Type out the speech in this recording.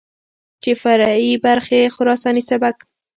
چې فرعي برخې خراساني سبک،